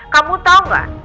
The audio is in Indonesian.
kamu tau gak